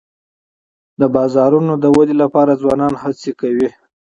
د بازارونو د ودي لپاره ځوانان هڅې کوي.